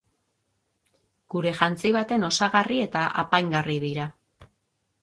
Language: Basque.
Gure jantzi baten osagarri eta apaingarri dira.